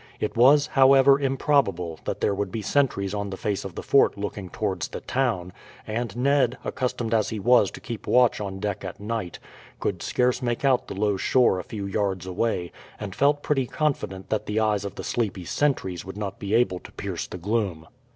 It was, however, improbable that there would be sentries on the face of the fort looking towards the town, and Ned, accustomed as he was to keep watch on deck at night, could scarce make out the low shore a few yards away, and felt pretty confident that the eyes of the sleepy sentries would not be able to pierce the gloom.